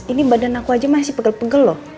ini badan aku aja masih pegel pegel loh